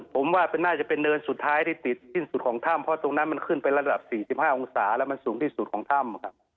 ผมว่าน่าจะเป็นเนินสุดท้ายที่ติดสิ้นสุดของถ้ำเพราะตรงนั้นมันขึ้นไประดับ๔๕องศาแล้วมันสูงที่สุดของถ้ำครับ